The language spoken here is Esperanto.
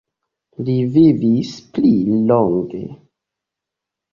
Li vivis pli longe.